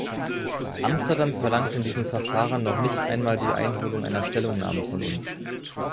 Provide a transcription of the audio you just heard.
Amsterdam verlangt in diesem Verfahren noch nicht einmal die Einholung einer Stellungnahme von uns.